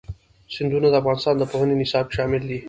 سیندونه د افغانستان د پوهنې نصاب کې شامل دي.